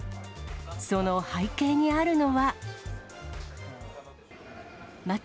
その背景にあるのは。